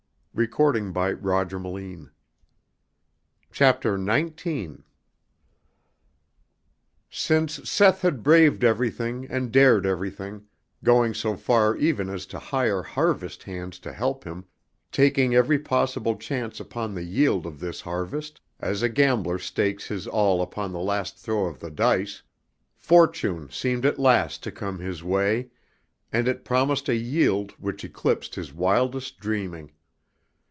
He must go home. CHAPTER XIX. Since Seth had braved everything and dared everything, going so far even as to hire harvest hands to help him, taking every possible chance upon the yield of this harvest, as a gambler stakes his all upon the last throw of the dice, fortune seemed at last to come his way, and it promised a yield which eclipsed his wildest dreaming.